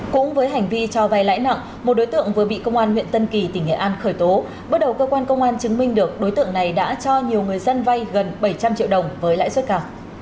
cũng với hành vi cho vay lãi nặng một đối tượng vừa bị công an huyện tân kỳ tỉnh nghệ an khởi tố bước đầu cơ quan công an chứng minh được đối tượng này đã cho nhiều người dân vay gần bảy trăm linh triệu đồng với lãi suất cả